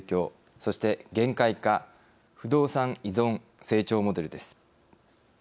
そして限界か不動産依存成長モデルです。